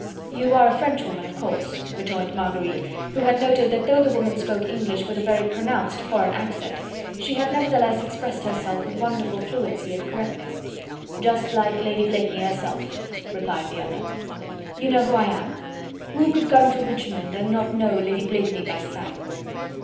"You are a Frenchwoman, of course," rejoined Marguerite, who had noted that though the woman spoke English with a very pronounced foreign accent, she had nevertheless expressed herself with wonderful fluency and correctness. "Just like Lady Blakeney herself," replied the other. "You know who I am?" "Who could come to Richmond and not know Lady Blakeney by sight."